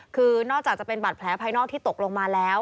คือนอกจากจะเป็นบัตรแผลภายนอกที่ตกลงมาแล้ว